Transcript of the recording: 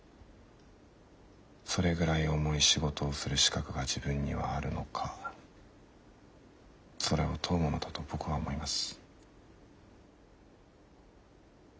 それぐらい重い仕事をする資格が自分にはあるのかそれを問うものだと僕は思います。